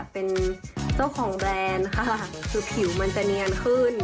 เป็นเจ้าของแบรนด์ค่ะคือผิวมันจะเนียนขึ้น